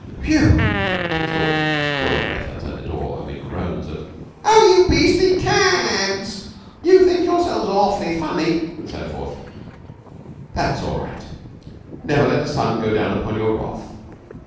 "Phew!" said Stalky, drawing breath outside the door (amid groans of "Oh, you beastly ca ads! You think yourselves awful funny," and so forth). "That's all right. Never let the sun go down upon your wrath.